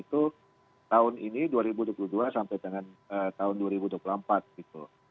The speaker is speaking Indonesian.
itu tahun ini dua ribu dua puluh dua sampai dengan tahun dua ribu dua puluh empat gitu